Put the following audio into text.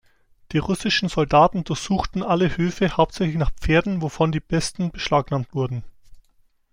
Die russischen Soldaten durchsuchten alle Höfe hauptsächlich nach Pferden, wovon die Besten beschlagnahmt wurden.